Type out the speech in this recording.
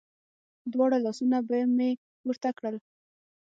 دواړه لاسونه به مې پورته کړل.